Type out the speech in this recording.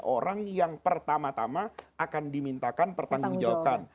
orang yang pertama tama akan dimintakan pertanggung jawaban